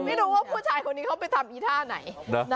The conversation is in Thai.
ไม่รู้ว่าผู้ชายคนนี้เขาไปทำอีท่าไหน